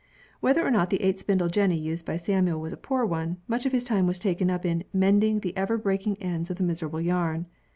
Whether or not the eight spindle jenny used by Samuel was a poor one, much of his time was taken up in "mending the ever breaking ends of his miserable yarn."